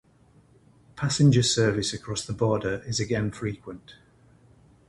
Passenger service across the border is again frequent.